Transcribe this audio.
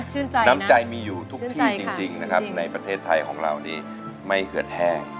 น้ำใจมีอยู่ทุกที่จริงนะครับในประเทศไทยของเรานี่ไม่เหือดแห้ง